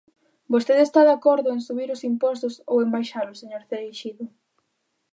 ¿Vostede está de acordo en subir os impostos ou en baixalos, señor Cereixido?